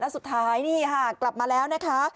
สุดท้ายนี่ค่ะกลับมาแล้วนะคะ